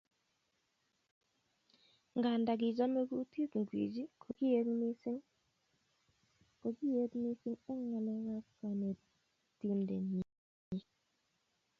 Nganda kichomei kutit Gwiji kokiet missing eng ngalekab konetindenyii